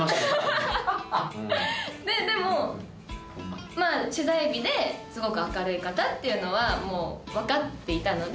でもまぁ取材日ですごく明るい方っていうのはもう分かっていたので。